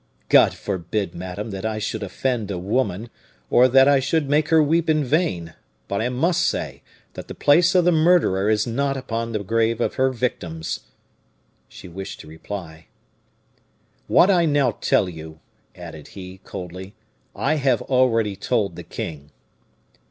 "God forbid, madame, that I should offend a woman, or that I should make her weep in vain; but I must say that the place of the murderer is not upon the grave of her victims." She wished to reply. "What I now tell you," added he, coldly, "I have already told the king."